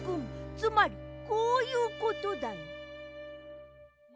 つまりこういうことだよ。